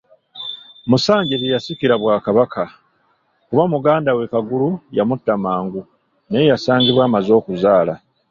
Musanje teyasikira Bwakabaka, kuba muganda we Kagulu yamutta mangu, naye yasangibwa amaze okuzaala.